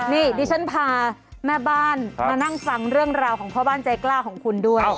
นี่ดิฉันพาแม่บ้านมานั่งฟังเรื่องราวของพ่อบ้านใจกล้าของคุณด้วย